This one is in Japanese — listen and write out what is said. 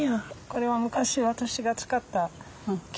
これは昔私が使った生地やね。